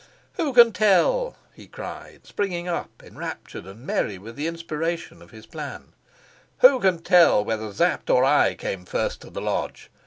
"Who can tell," he cried, springing up, enraptured and merry with the inspiration of his plan, "who can tell whether Sapt or I came first to the lodge?